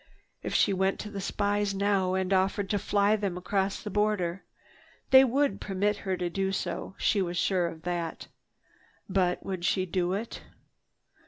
If she went to the spies now and offered to fly them across the border, they would permit her to do so, she was sure of that. But would she do it?